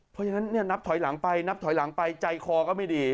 เพราะฉะนั้นเนี่ยนับถอยหลังไปนับถอยหลังไปใจคอก็ไม่ดี